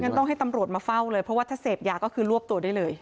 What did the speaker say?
ต้องให้ตำรวจมาเฝ้าเลยเพราะว่าถ้าเสพยาก็คือรวบตัวได้เลย